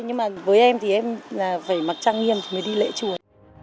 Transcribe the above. nhưng mà với em thì em là phải mặc trang nghiêm thì mới đi lễ chùa